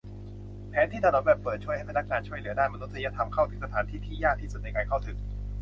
แผนที่ถนนแบบเปิดช่วยให้พนักงานช่วยเหลือด้านมนุษยธรรมเข้าถึงสถานที่ที่ยากที่สุดในการเข้าถึง